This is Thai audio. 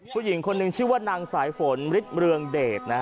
ผู้หญิงคนหนึ่งชื่อว่านางสายฝนฤทธิเรืองเดชนะฮะ